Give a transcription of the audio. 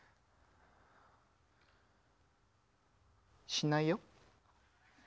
しないよ。